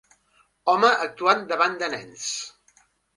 Home actuant davant de nens.